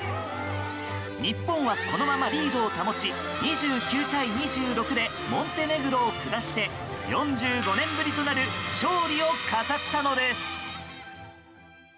日本はこのままリードを保ち２９対２６でモンテネグロを下して４５年ぶりとなる勝利を飾ったのです。